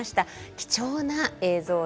貴重な映像です。